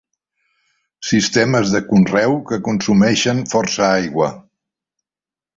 Sistemes de conreu que consumeixen força aigua.